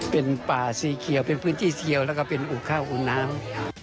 เป็นป่าสีเขียวเป็นพื้นที่เขียวแล้วก็เป็นอู่ข้าวอุ่นน้ำ